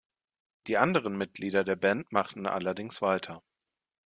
Die anderen Mitglieder der Band machten allerdings weiter.